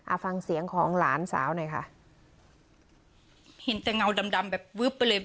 ฟังเสียงของหลานสาวหน่อยค่ะเห็นแต่เงาดำดำแบบวึบไปเลย